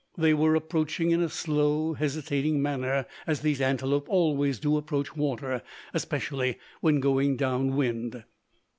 They were approaching in a slow, hesitating manner, as these antelope always do approach water, especially when going down wind.